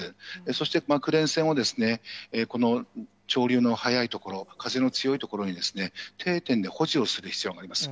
そしてクレーン船を、この潮流の速い所、風の強い所に、定点で保持をする必要があります。